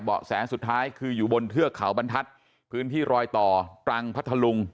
แสสุดท้ายคืออยู่บนเทือกเขาบรรทัศน์พื้นที่รอยต่อตรังพัทธลุง